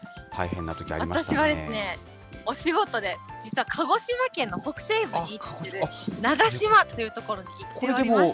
私は、お仕事で実は鹿児島県の北西部に位置する長島という所に行っておりまして。